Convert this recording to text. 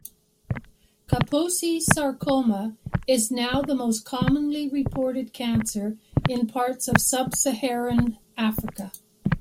Kaposi's sarcoma is now the most commonly reported cancer in parts of sub-Saharan Africa.